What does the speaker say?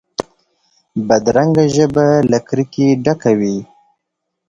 بدرنګه ژبه له کرکې ډکه وي